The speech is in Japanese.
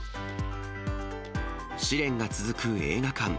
試練が続く映画館。